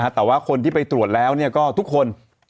แต่ว่าคนที่ไปตรวจแล้วก็ทุกคน